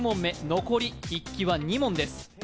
残り筆記は２問です。